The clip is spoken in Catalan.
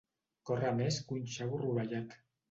Córrer més que un xavo rovellat.